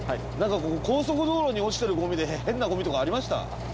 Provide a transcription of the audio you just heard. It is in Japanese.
なんか高速道路に落ちてるゴミで変なゴミとかありました？